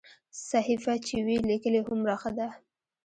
صحیفه چې وي لیکلې هومره ښه ده.